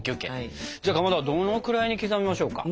じゃあかまどどれくらいに刻みましょうか？